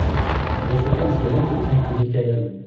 D acu kan zgan akken i ttheyyin i yikayaden.